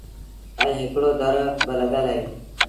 ائيٚݩ هڪڙو در بالڳل اهي۔